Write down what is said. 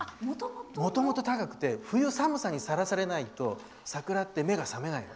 もともと高くて冬、寒さにさらされないと桜って目が覚めないの。